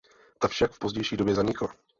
Ta však v pozdější době zanikla.